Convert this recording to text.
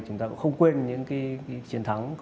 chúng ta cũng không quên những chiến thắng